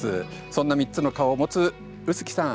そんな３つの顔を持つ臼杵さん。